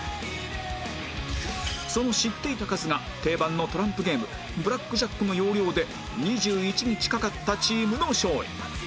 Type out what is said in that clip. その知っていた数が定番のトランプゲームブラックジャックの要領で２１に近かったチームの勝利